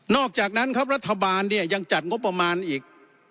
อกจากนั้นครับรัฐบาลเนี่ยยังจัดงบประมาณอีก